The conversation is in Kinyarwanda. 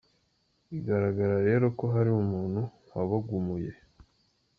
Bigaragara rero ko hari umuntu wabagumuye”.